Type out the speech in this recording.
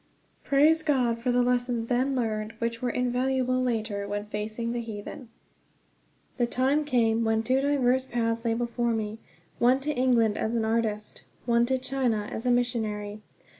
Praise God for the lessons then learned, which were invaluable later when facing the heathen. The time came when two diverse paths lay before me one to England, as an artist; one to China, as a missionary.